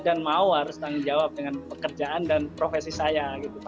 dan mau harus tanggung jawab dengan pekerjaan dan profesi saya